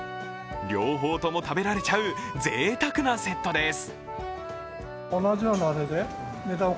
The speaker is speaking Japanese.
両方とも食べられちゃうぜいたくなセットです。